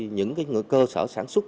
những cái cơ sở sản xuất